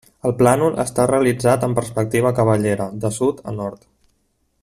El plànol està realitzat en perspectiva cavallera, de sud a nord.